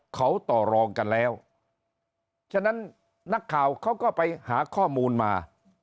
เขาต่อรองกันแล้วฉะนั้นนักข่าวเขาก็ไปหาข้อมูลมา